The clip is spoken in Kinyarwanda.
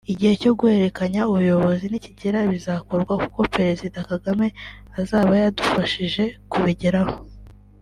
Igihe cyo guhererekanya ubuyobozi nikigera bizakorwa kuko Pezerezida Kagame azaba yadufashije kubigeraho